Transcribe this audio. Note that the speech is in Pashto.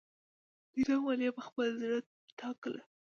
دوی دا مالیه په خپل زړه ټاکله.